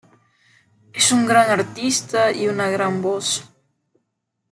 Es un gran artista y una gran voz.